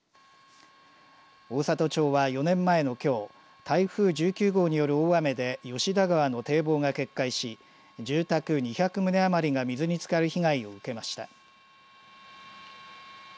大郷町は４年前のきょう台風１９号による大雨で吉田川の堤防が決壊し住宅２００棟余りが水につかる被害を受けました。